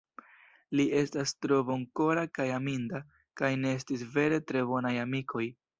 Li estas tro bonkora kaj aminda; kaj ne estis vere tre bonaj amikoj.